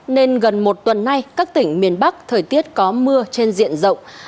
nên gần một tuần nay các tỉnh miền bắc thời tiết có mưa trên diện rộng